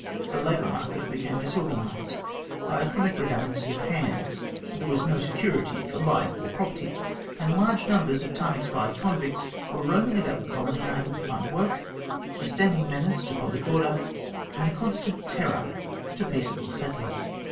The labour market became dis organised by a chronic redundancy of hands; there was no security for life or property, and large numbers of time expired convicts were roaming about the colony unable to find work, a standing menace to public order and a constant terror to peaceable settlers.